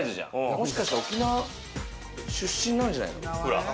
もしかして沖縄出身なんじゃないの？